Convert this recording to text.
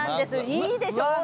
いいでしょ。